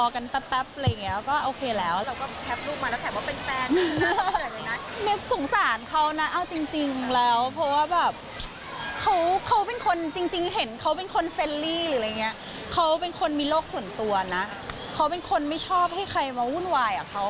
อย่าไปรบปวนเขามากไม่อยากให้เขาโฟกัสเรื่องฟุตบอลนะครับ